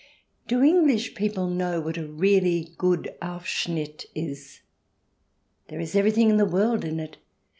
Do English people know what a really good Aufschnitt is? There is everything in the world in it.